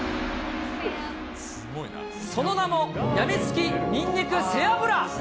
その名も、やみつきにんにく背脂。